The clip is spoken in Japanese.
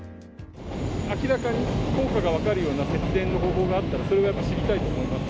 明らかに効果が分かるような節電の方法があったら、それはやっぱり知りたいと思いますか。